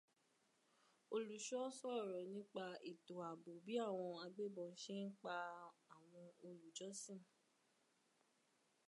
Olùṣọ́ sọ̀rọ̀ nípa ètò ààbọ̀ bi awọn agbébọ ṣe ń pa àwọn olùjọ́sìn